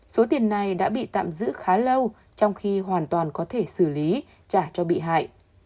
số tiền này đã bị tạm giữ khá lâu trong khi hoàn toàn có thể xử lý trả cho bị hại